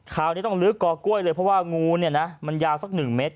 คราวนี้ต้องลื้อกอกล้วยเลยเพราะว่างูเนี่ยนะมันยาวสักหนึ่งเมตร